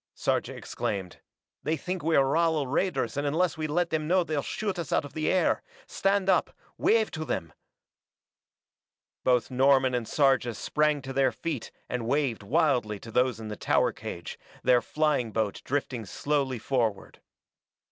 Sarja exclaimed. "They think we're Rala raiders and unless we let them know they'll shoot us out of the air! Stand up wave to them !" Both Norman and Sarja sprang to their feet and waved wildly to those in the tower cage, their flying boat drifting slowly forward.